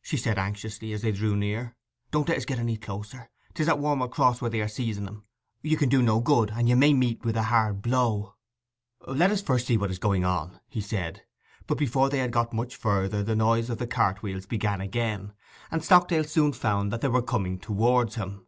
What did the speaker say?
she said anxiously, as they drew near. 'Don't let us go any closer: 'tis at Warm'ell Cross where they are seizing 'em. You can do no good, and you may meet with a hard blow!' 'Let us see first what is going on,' he said. But before they had got much further the noise of the cartwheels began again; and Stockdale soon found that they were coming towards him.